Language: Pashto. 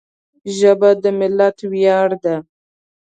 ژبه د ملت ویاړ ده